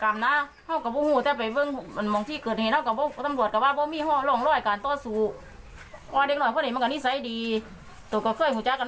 มาเต้นหน่อยเล็กคุณ